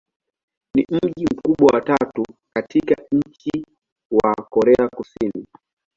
Ni mji mkubwa wa tatu katika nchi wa Korea Kusini.